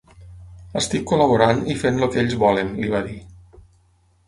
Estic col·laborant i fent el que ells volen, li va dir.